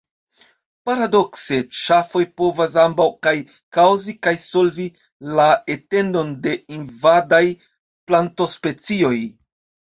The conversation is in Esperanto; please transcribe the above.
Paradokse, ŝafoj povas ambaŭ kaj kaŭzi kaj solvi la etendon de invadaj plantospecioj.